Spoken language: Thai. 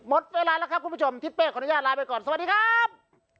หมดเวลาแล้วครับคุณผู้ชมทิศเป้ขออนุญาตลาไปก่อนสวัสดีครับ